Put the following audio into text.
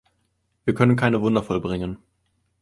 Wir können keine Wunder vollbringen.